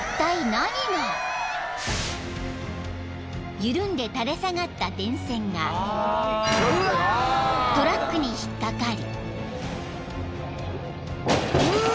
［緩んで垂れ下がった電線がトラックに引っ掛かり］